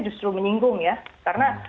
justru menyinggung ya karena